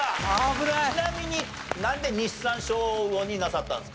ちなみになんでニッサンショウオになさったんですか？